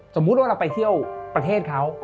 สมมุติว่าเราไปเที่ยวประเทศเขา